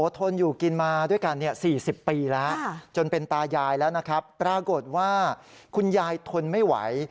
ทนอยู่กินมาด้วยกัน๔๐ปีแล้วจนเป็นตายายแล้วนะครับปรากฏว่าคุณยายทนไม่ไหว